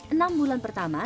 enam bulan pertama